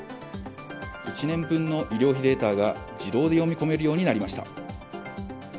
１年分の医療費データが自動で読み込めるようになりました。